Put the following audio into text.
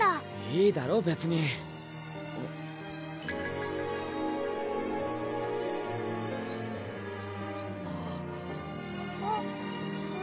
いいだろ別にうん？